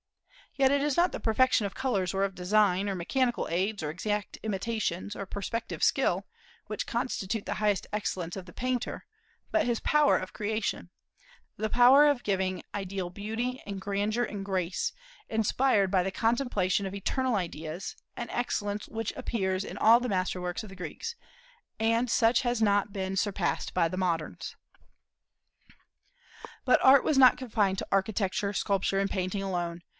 Yet it is not the perfection of colors or of design, or mechanical aids, or exact imitations, or perspective skill, which constitute the highest excellence of the painter, but his power of creation, the power of giving ideal beauty and grandeur and grace, inspired by the contemplation of eternal ideas, an excellence which appears in all the masterworks of the Greeks, and such as has not been surpassed by the moderns. But Art was not confined to architecture, sculpture, and painting alone.